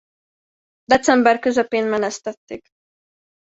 December közepén menesztették.